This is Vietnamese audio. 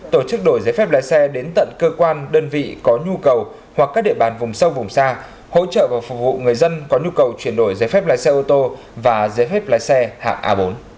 tổ chức đổi giấy phép lái xe đến tận cơ quan đơn vị có nhu cầu hoặc các địa bàn vùng sâu vùng xa hỗ trợ và phục vụ người dân có nhu cầu chuyển đổi giấy phép lái xe ô tô và giấy phép lái xe hạng a bốn